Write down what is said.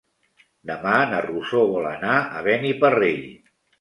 Demà na Rosó vol anar a Beniparrell.